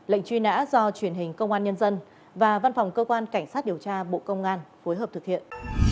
lệnh truy nã do truyền hình công an nhân dân và văn phòng cơ quan cảnh sát điều tra bộ công an phối hợp thực hiện